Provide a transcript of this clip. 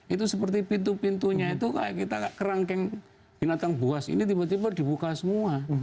itu seperti pintu pintunya itu kayak kita kerangkeng binatang buas ini tiba tiba dibuka semua